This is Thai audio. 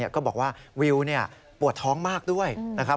ก็บอกว่าวิวปวดท้องมากด้วยนะครับ